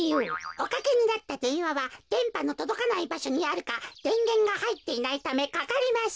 おかけになったでんわはでんぱのとどかないばしょにあるかでんげんがはいっていないためかかりません。